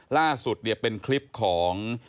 ล่าสุดเป็นคลิปของ